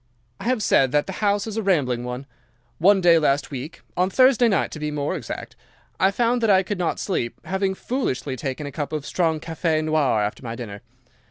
"'I have said that the house is a rambling one. One day last week—on Thursday night, to be more exact—I found that I could not sleep, having foolishly taken a cup of strong café noir after my dinner.